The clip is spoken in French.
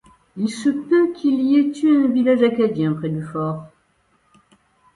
Il se peut qu'il y ait eu un village acadien près du fort.